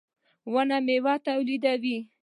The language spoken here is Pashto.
• ونه مېوه تولیدوي.